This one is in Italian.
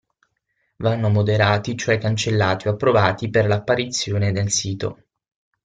Vanno moderati cioè cancellati o approvati per l'apparizione nel sito.